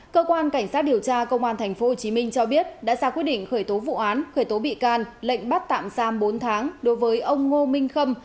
cơ quan cảnh sát điều tra công an tp hcm cho biết đã ra quyết định khởi tố vụ án khởi tố bị can lệnh bắt tạm giam bốn tháng đối với ông ngô minh khâm